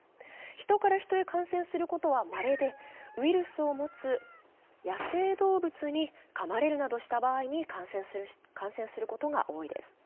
ヒトからヒトへ感染することはまれで、ウイルスを持つ野生動物に、かまれるなどした場合に感染することが多いです。